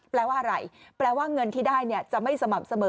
แปลว่าอะไรแปลว่าเงินที่ได้จะไม่สม่ำเสมอ